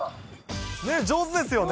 上手ですよね。